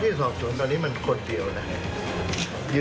มีอาการการที่ถือกรุงอรัตฺรติกษุ